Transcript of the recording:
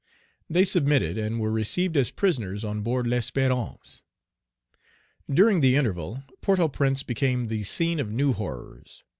They submitted, and were received as prisoners on board L'Espérance. During the interval, Port au Prince became the scene of new horrors.